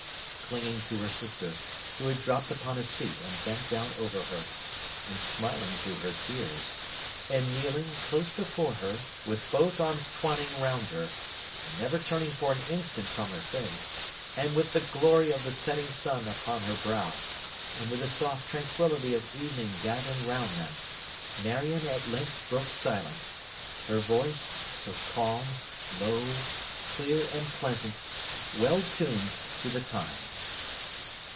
Clinging to her sister, who had dropped upon a seat and bent down over her—and smiling through her tears—and kneeling, close before her, with both arms twining round her, and never turning for an instant from her face—and with the glory of the setting sun upon her brow, and with the soft tranquillity of evening gathering around them—Marion at length broke silence; her voice, so calm, low, clear, and pleasant, well tuned to the time.